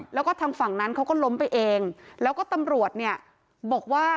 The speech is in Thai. แล้วก็ทางฝั่งนั้นเขาก็ล้มไปเองแล้วก็ตำรวจเนี่ยบอกว่า